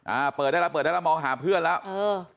อ่าเปิดได้แล้วเปิดได้แล้วมองหาเพื่อนแล้วเออ